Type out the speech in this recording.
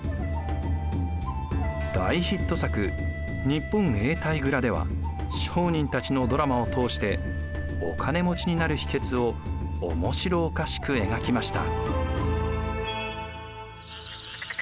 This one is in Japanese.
大ヒット作「日本永代蔵」では商人たちのドラマを通してお金持ちになる秘けつを面白おかしく描きました。